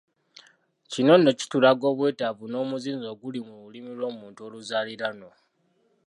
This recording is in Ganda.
Kino nno kitulaga obwetaavu n’omuzinzi oguli mu lulimi lw’Omuntu oluzaaliranwa.